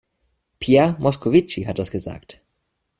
Pierre Moscovici hat das gesagt.